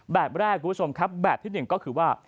แบบแรกแบบที่๑ก็คือว่า